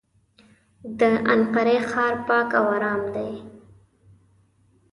د انقرې ښار پاک او ارام دی.